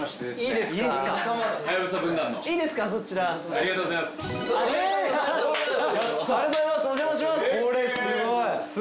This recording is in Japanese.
ありがとうございます！